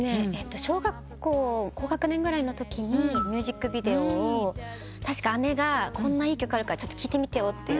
小学校高学年ぐらいのときにミュージックビデオを確か姉がこんないい曲あるから聴いてみてよって。